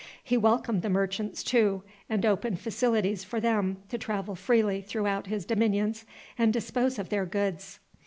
He welcomed the merchants too, and opened facilities for them to travel freely throughout his dominions and dispose of their goods.